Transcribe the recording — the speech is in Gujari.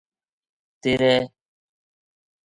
تیرے